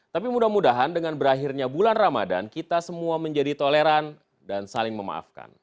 tapi mudah mudahan dengan berakhirnya bulan ramadan kita semua menjadi toleran dan saling memaafkan